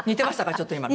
ちょっと今の。